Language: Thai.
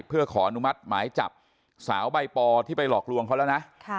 เพื่อขออนุมัติหมายจับสาวใบปอที่ไปหลอกลวงเขาแล้วนะ